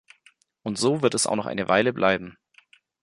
Und so wird es auch noch eine Weile bleiben.